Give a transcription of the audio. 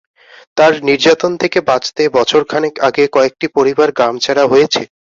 তাঁর নির্যাতন থেকে বাঁচতে বছর খানেক আগে কয়েকটি পরিবার গ্রামছাড়া হয়েছে।